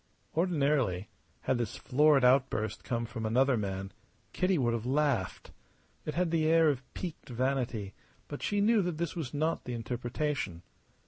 Ordinarily had this florid outburst come from another man Kitty would have laughed. It had the air of piqued vanity; but she knew that this was not the interpretation.